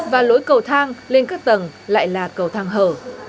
và lối cầu thang lên các tầng lại là cầu thang hở